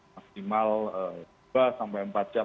maksimal dua sampai empat jam